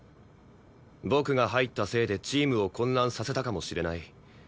僕が入ったせいでチームを混乱させたかもしれない。